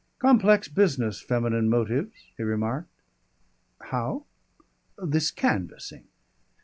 "Complex business feminine motives," he remarked. "How?" "This canvassing.